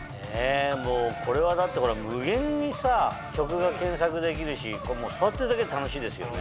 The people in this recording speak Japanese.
これは無限に曲が検索できるし触ってるだけで楽しいですよね。